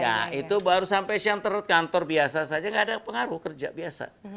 ya itu baru sampai siang terut kantor biasa saja nggak ada pengaruh kerja biasa